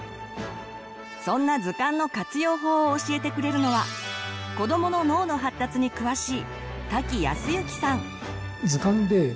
そんな図鑑の活用法を教えてくれるのは子どもの脳の発達に詳しい瀧靖之さん。